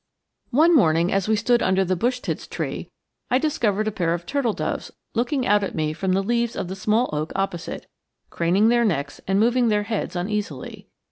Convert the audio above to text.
One morning as we stood under the bush tit's tree, I discovered a pair of turtle doves looking out at me from the leaves of the small oak opposite, craning their necks and moving their heads uneasily.